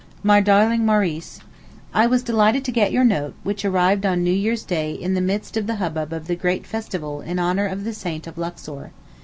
MY DARLING MAURICE, I was delighted to get your note, which arrived on New Year's day in the midst of the hubbub of the great festival in honour of the Saint of Luxor.